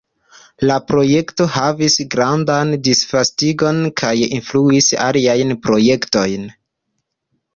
La projekto havis grandan disvastigon kaj influis aliajn projektojn.